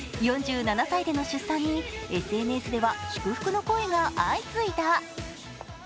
４７歳での出産にＳＮＳでは祝福の声が相次いだ。